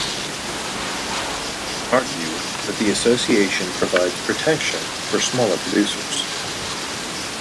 Members argue that the association provides protection for smaller producers.